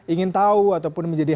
ingin tahu ataupun menjadi